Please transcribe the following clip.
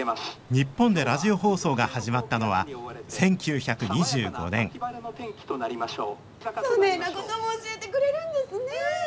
日本でラジオ放送が始まったのは１９２５年そねえなことも教えてくれるんですね。